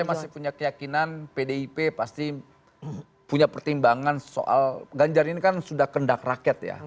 saya masih punya keyakinan pdip pasti punya pertimbangan soal ganjar ini kan sudah kendak rakyat ya